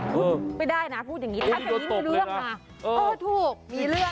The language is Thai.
ก็ไม่ได้นะถ้าคณิดมีเรื่อง